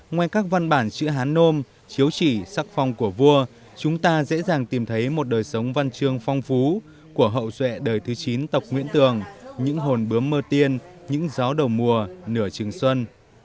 ngoài các văn bản chữ hán nôm chiếu chỉ sắc phong của vua chúng ta dễ dàng tìm thấy một đời sống văn chương phong phú của hậu duệ đời thứ chín tộc nguyễn tường những hồn bướm mơ tiên những gió đầu mùa nửa chừng xuân